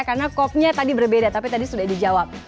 karena kopnya tadi berbeda tapi tadi sudah dijawab